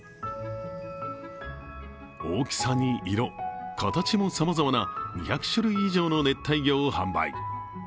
大きさに色、形もさまざまな２００種類以上の熱帯魚を販売。